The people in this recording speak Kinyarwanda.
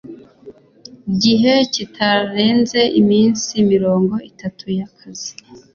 gihe kitarenze iminsi mirongo itatu y akazi